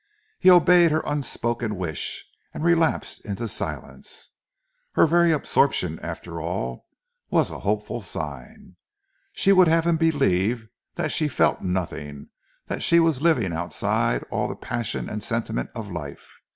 He obeyed her unspoken wish and relapsed into silence. Her very absorption, after all, was a hopeful sign. She would have him believe that she felt nothing, that she was living outside all the passion and sentiment of life.